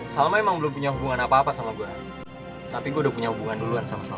salma emang belum punya hubungan apa apa sama gue tapi gue udah punya hubungan duluan sama sama